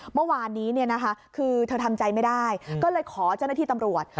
เมื่อวานนี้คือเธอทำใจไม่ได้ก็เลยขอเจ้าหน้าที่ตำรวจ